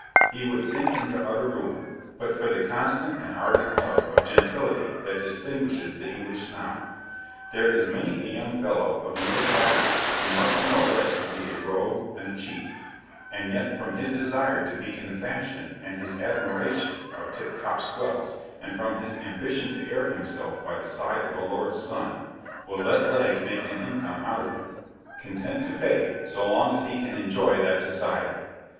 He would sink into utter ruin, but for the constant and ardent love of gentility that distinguishes the English Snob. There is many a young fellow of the middle classes who must know Legg to be a rogue and a cheat; and yet from his desire to be in the fashion, and his admiration of tip top swells, and from his ambition to air himself by the side of a Lord's son, will let Legg make an income out of him; content to pay, so long as he can enjoy that society.